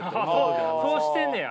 そうしてんねや。